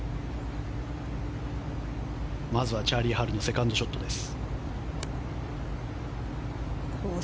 まずはチャーリー・ハルのセカンドショットです。